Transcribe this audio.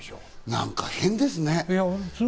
なんか変ですね。